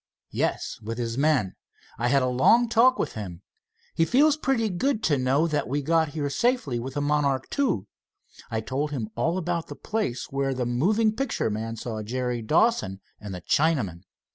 "Yes, with his men. I had a long talk with him. He feels pretty good to know that we got here safely with the Monarch II. I told him all about the place where the moving picture man saw Jerry Dawson and the Chinaman.